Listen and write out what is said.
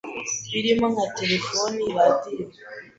birimo nka Telefoni, Radio,